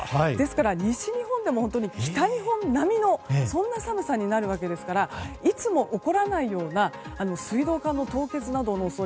西日本でも北日本並みの寒さになるわけですからいつも起こらないような水道管の凍結などの恐れ